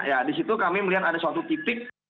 ya di situ kami melihat ada suatu titik